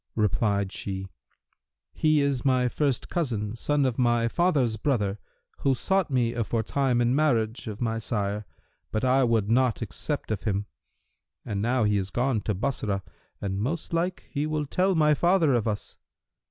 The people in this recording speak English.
Replied she, 'He is my first cousin, son of my father's brother[FN#339] who sought me aforetime in marriage of my sire; but I would not accept of him. And now he is gone to Bassorah and most like he will tell my father of us.'